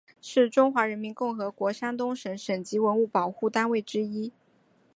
是中华人民共和国山东省省级文物保护单位之一。